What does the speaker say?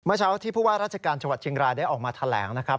เช้าที่ผู้ว่าราชการจังหวัดเชียงรายได้ออกมาแถลงนะครับ